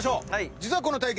実はこの対決。